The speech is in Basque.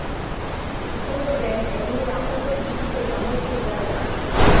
Ondoren egurra ondo txikitu edo moztu behar da.